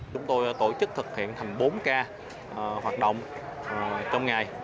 chúng tôi tổ chức thực hiện thành bốn ca hoạt động trong ngày